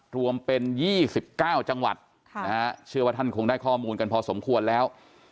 รวมเป็น๒๙จังหวัดเชื่อว่าท่านคงได้ข้อมูลกันพอสมควรแล้ว